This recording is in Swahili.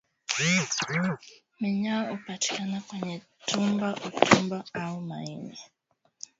Minyoo hupatikana kwenye tumbo utumbo au maini